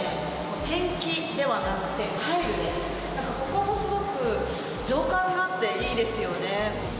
ペンキではなくてタイルでなんかここもすごく情感があっていいですよね